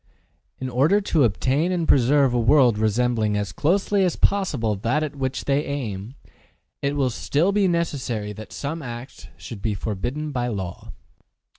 In order to obtain and preserve a world resembling as closely as possible that at which they aim, it will still be necessary that some acts should be forbidden by law.